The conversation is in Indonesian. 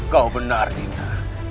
kau benar dinda